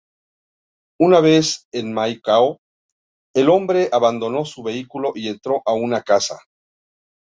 Una vez en Maicao, el hombre abandonó su vehículo y entró a una casa.